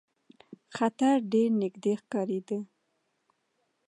خطر ډېر نیژدې ښکارېدی.